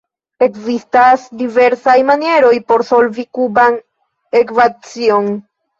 Ekzistas diversaj manieroj por solvi kuban ekvacion.